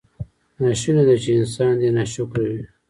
ناشونې ده چې انسان دې ناشکره وي.